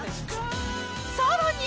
さらに。